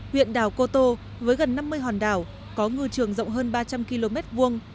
huyện đảo cô tô với gần năm mươi hòn đảo có ngư trường rộng hơn ba trăm linh km vuông